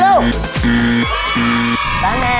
เจ้าคุณสุดสบายช่วยอะไร